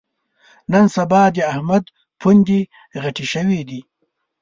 نن سبا د احمد پوندې غټې شوې دي.